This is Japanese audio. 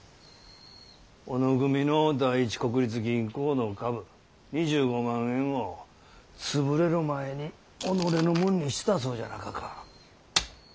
小野組の第一国立銀行の株２５万円を潰れる前に己のもんにしたそうじゃなかか。